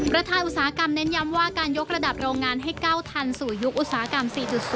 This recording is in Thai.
ประทานอุตสาหกรรมเน้นย้ำว่าการยกระดับโรงงานให้ก้าวทันสู่ยุคอุตสาหกรรม๔๐